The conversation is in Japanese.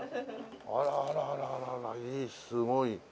あらあらあらあらすごい。